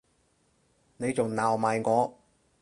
你仲鬧埋我